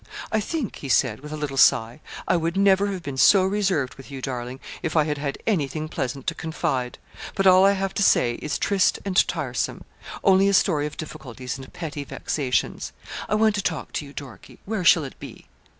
I think,' he said, with a little sigh, 'I would never have been so reserved with you, darling, if I had had anything pleasant to confide; but all I have to say is triste and tiresome only a story of difficulties and petty vexations. I want to talk to you, Dorkie. Where shall it be?'